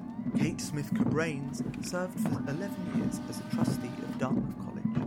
Kate Stith-Cabranes served for eleven years as a trustee of Dartmouth College.